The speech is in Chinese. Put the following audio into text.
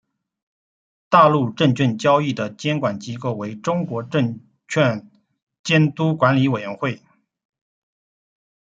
大陆证券交易的监管机构为中国证券监督管理委员会。